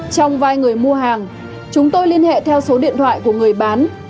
trong vai người mua hàng chúng tôi liên hệ theo số điện thoại của người bán